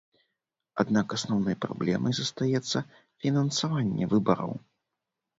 Аднак асноўнай праблемай застаецца фінансаванне выбараў.